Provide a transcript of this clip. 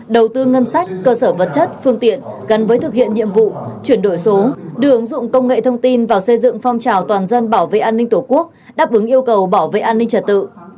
đầu tư ngân sách cơ sở vật chất phương tiện gắn với thực hiện nhiệm vụ chuyển đổi số đưa ứng dụng công nghệ thông tin vào xây dựng phong trào toàn dân bảo vệ an ninh tổ quốc đáp ứng yêu cầu bảo vệ an ninh trật tự